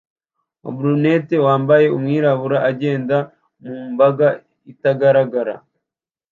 wa Brunette wambaye umwirabura agenda mu mbaga itagaragara